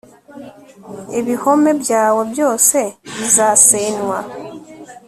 ibihome byawe byose bizasenywa